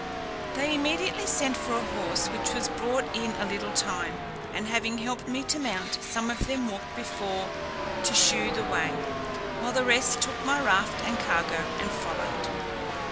They immediately sent for a horse, which was brought in a little time; and having helped me to mount, some of them walked before to shew the way, while the rest took my raft and cargo and followed.